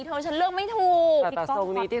เธอช้าเลือกว่าไม่ถูก